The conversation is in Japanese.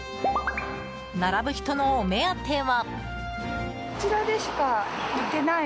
並ぶ人のお目当ては。